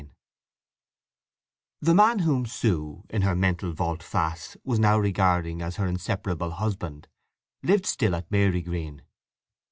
IV The man whom Sue, in her mental volte face, was now regarding as her inseparable husband, lived still at Marygreen.